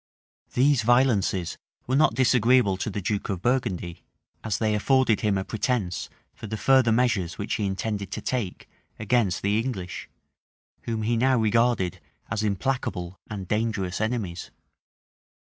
[*] These violences were not disagreeable to the duke of Burgundy; as they afforded him a pretence for the further measures which he intended to take against the English, whom he now regarded as implacable and dangerous enemies.